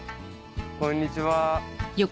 こんにちは。